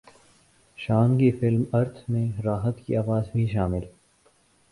شان کی film Earth میں راحت کی اواز بھی شامل